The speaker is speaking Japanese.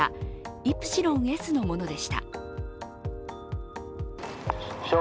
「イプシロンＳ」のものでした。